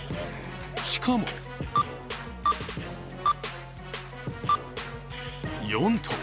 しかも、４頭。